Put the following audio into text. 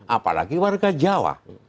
apalagi warga jawa